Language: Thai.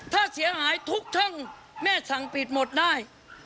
ถ้าเสียหายทุกช่องแม่สั่งปิดหมดได้